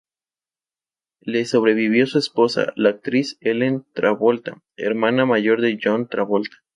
Le sobrevivió su esposa, la actriz Ellen Travolta, hermana mayor de John Travolta.